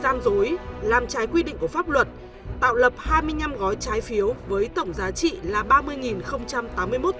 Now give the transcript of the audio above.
gian dối làm trái quy định của pháp luật tạo lập hai mươi năm gói trái phiếu với tổng giá trị là ba mươi tám mươi một tỷ